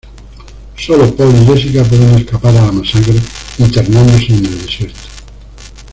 Solo Paul y Jessica pueden escapar a la masacre, internándose en el desierto.